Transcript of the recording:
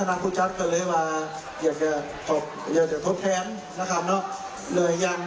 ทั้งผู้จัดจะขื้นให้ในด้านหลัง